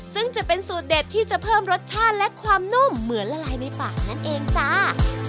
ซึ่งจะเป็นสูตรเด็ดที่จะเพิ่มรสชาติและความนุ่มเหมือนละลายในปากนั่นเองจ้า